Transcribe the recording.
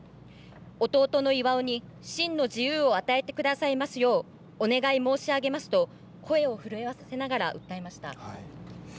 弟の巌に真の自由を与えてくださいますようお願い申し上げますと声を震わせながら訴えました。